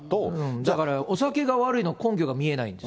だからお酒が悪いの根拠が見えないです。